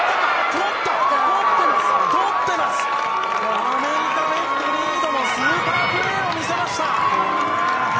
アメリカ、レフトのリード、スーパープレーを見せました！